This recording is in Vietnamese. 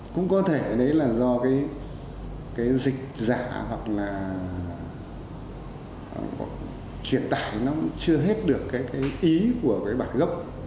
cũng có thể đấy là do cái dịch dạ hoặc là truyền tải nó chưa hết được cái ý của cái bản gốc